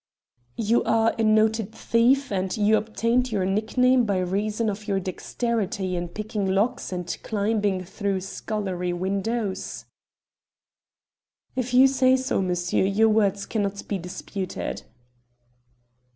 "You are a noted thief, and you obtained your nickname by reason of your dexterity in picking locks and climbing through scullery windows?" "If you say so, monsieur, your words cannot be disputed."